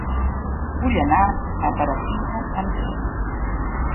Vull anar a Perafita amb tren.